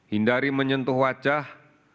hindari menyentuh wajah